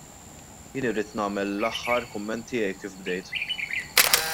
Jien irrid nagħmel l-aħħar kumment tiegħi kif bdejt.